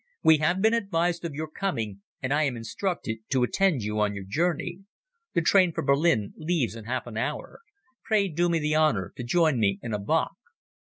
We have been advised of your coming, and I am instructed to attend you on your journey. The train for Berlin leaves in half an hour. Pray do me the honour to join me in a bock."